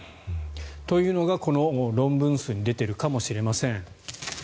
というのが、この論文数に出ているのかもしれません。